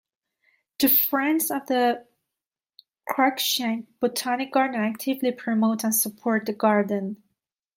The Friends of the Cruickshank Botanic Garden actively promote and support the garden.